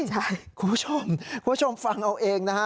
ใช่คุณผู้ชมคุณผู้ชมฟังเอาเองนะฮะ